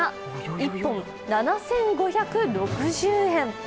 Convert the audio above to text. １本７５６０円。